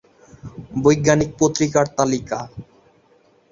বৈজ্ঞানিক পত্রিকার তালিকা